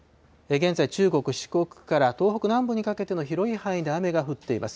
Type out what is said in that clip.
現在、中国、四国から東北南部にかけての広い範囲で雨が降っています。